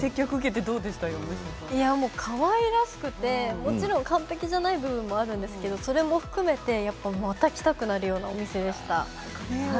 かわいらしくてもちろん完璧じゃない部分もあったんですがそれも含めて、また来たくなるようなお店でした。